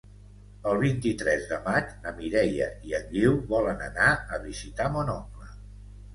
El vint-i-tres de maig na Mireia i en Guiu volen anar a visitar mon oncle.